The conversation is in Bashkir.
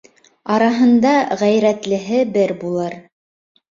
Араһында ғәйрәтлеһе бер булыр